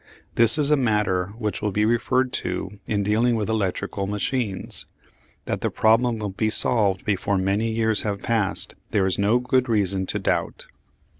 This is a matter which will be referred to in dealing with electrical machines. That the problem will be solved before many years have passed there is no good reason to doubt.